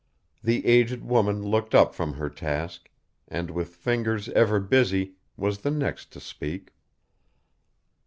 The aged woman looked up from her task, and, with fingers ever busy, was the next to speak.